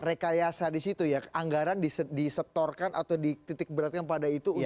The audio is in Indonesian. rekayasa di situ ya anggaran disetorkan atau dititik beratkan pada itu